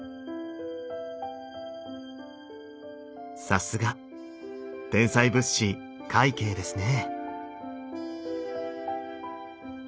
さすが天才仏師快慶ですね。